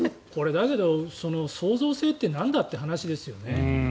だけど創造性ってなんだっていう話ですよね。